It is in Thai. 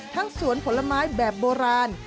สวนผลไม้แบบโบราณ